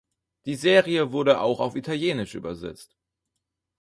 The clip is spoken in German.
Die Serie wurde auch auf Italienisch übersetzt.